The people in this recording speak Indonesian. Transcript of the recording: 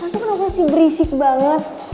kau tuh kenapa sih berisik banget